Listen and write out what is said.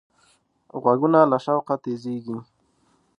غوږونه له شوقه تیزېږي